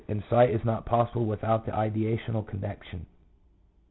17; and sight is not possible without the ideational connection.